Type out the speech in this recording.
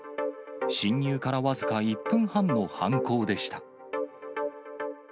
侵入から僅か１分半の犯行でした。